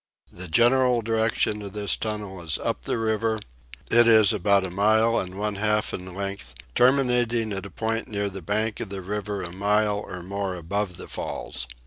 The general direction of this tunnel is up the river; it is about a mile and one half in length, terminating at a point near the bank of the river a mile or more above the falls.